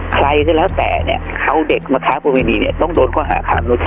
ใครก็แล้วแต่เนี่ยเอาเด็กมาค้าประเวณีเนี่ยต้องโดนข้อหาค้ามนุษย์